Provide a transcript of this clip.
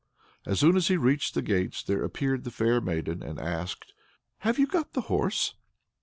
As soon as he reached the gates there appeared the fair maiden, and asked: "Have you got the horse?"